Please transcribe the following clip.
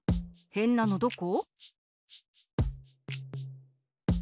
へんなのどこ？